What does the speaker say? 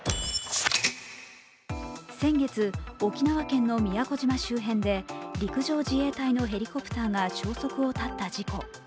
先月、沖縄県の宮古島周辺で陸上自衛隊のヘリコプターが消息を絶った事故。